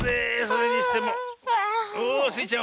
おおスイちゃん